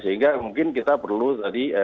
sehingga mungkin kita perlu tadi